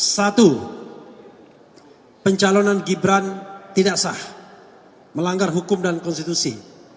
satu pencalonan gibran tidak sah melanggar hukum dan konstitusi